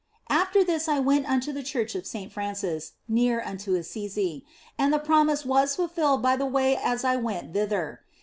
After this I went unto the church of Saint Francis, near unto Assisi, and the promise was fulfilled by the way as I went thither.